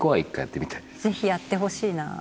ぜひやってほしいな。